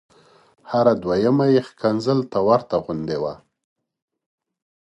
هره دویمه یې ښکنځل ته ورته غوندې وه.